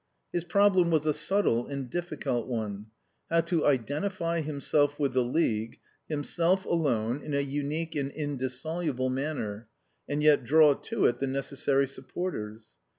His problem was a subtle and difficult one: How to identify himself with the League, himself alone, in a unique and indissoluble manner, and yet draw to it the necessary supporters?